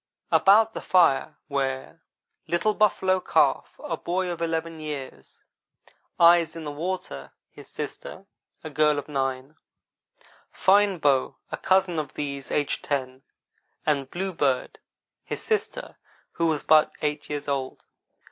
About the fire were Little Buffalo Calf, a boy of eleven years; Eyes in the Water, his sister, a girl of nine; Fine Bow, a cousin of these, aged ten, and Bluebird, his sister, who was but eight years old.